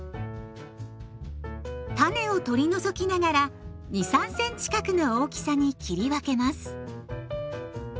種を取り除きながら２３センチ角の大きさに切り分けます。